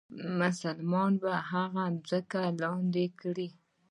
مسلمانان به هغه ځمکې لاندې کړي.